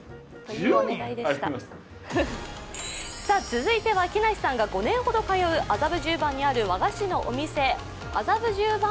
続いては木梨さんが５年ほど通う麻布十番にある和菓子のお店麻布十番庵。